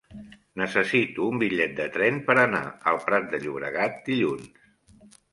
Necessito un bitllet de tren per anar al Prat de Llobregat dilluns.